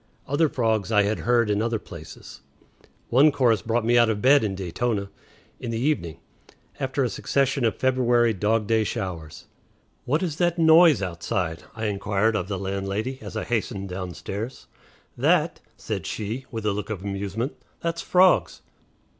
Other frogs I had heard in other places. One chorus brought me out of bed in Daytona in the evening after a succession of February dog day showers. "What is that noise outside?" I inquired of the landlady as I hastened downstairs. "That?" said she, with a look of amusement; "that's frogs."